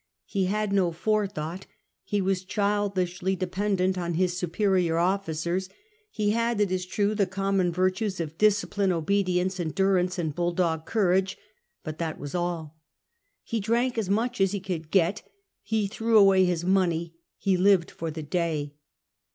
He had no forethought, ho was childishly dependent on his superior officers. He had, it is true, the common virtues of discipline, obedience, endanince, and bnlMog courage ; but that was all. He drank as much as he could get; he threw away his money ; ho lived for the day.